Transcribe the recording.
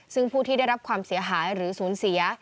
ซึ่งผู้ที่ได้รับความเสียหายหรือศูนย์เสีย